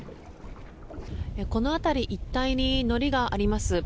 この辺り一帯にのりがあります。